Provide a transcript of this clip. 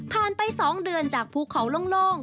ไป๒เดือนจากภูเขาโล่ง